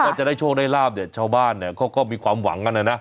ก็จะได้โชคได้ลาบเเนี่ยเช้าบ้านเนี่ยก็มีความหวังอ่ะเนี่ยนะ